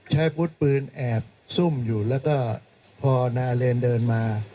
ใช้พุทธปืนแอบซุ่มอยู่แล้วก็พอนายเรนเดินมา